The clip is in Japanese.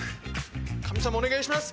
神様お願いします。